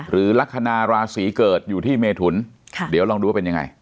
หรือลักษณะราศีเกิดอยู่ที่เมถุนเดี๋ยวลองดูว่าเป็นยังไง